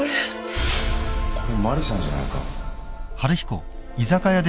これマリさんじゃないか？